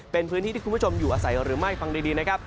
เป็นพื้นที่ที่คุณผู้ชมอยู่อาศัยหรือไม่ฟังดีนะครับ